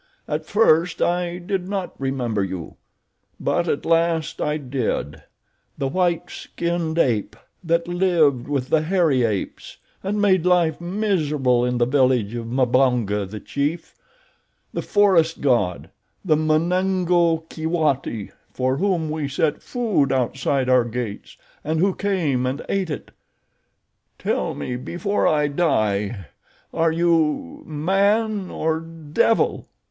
At first I did not remember you; but at last I did—the white skinned ape that lived with the hairy apes and made life miserable in the village of Mbonga, the chief—the forest god—the Munango Keewati for whom we set food outside our gates and who came and ate it. Tell me before I die—are you man or devil?"